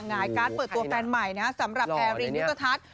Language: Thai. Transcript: การเปิดตัวแฟนใหม่สำหรับแอลีนวิตถัด